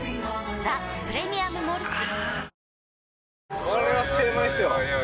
「ザ・プレミアム・モルツ」